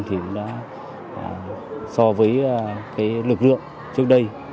thì đã so với cái lực lượng trước đây